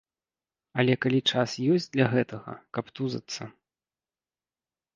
Але калі час ёсць для гэтага, каб тузацца.